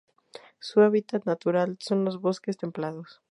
Su hábitat natural son: los bosque s templados.